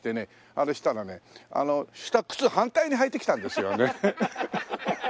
あれしたらね下靴反対に履いてきたんですよね。